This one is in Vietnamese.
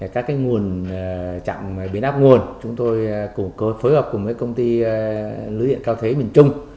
các nguồn chặng biến áp nguồn chúng tôi phối hợp cùng công ty lưới điện cao thế bình trung